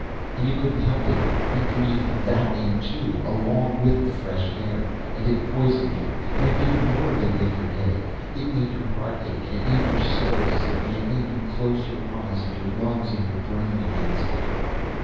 And you couldn't help it, you breathed that in too, along with the fresh air, and it poisoned you and it did more than make your head ache. It made your heart ache and it made your soul sick, and it made you close your eyes and your lungs and your brain against it.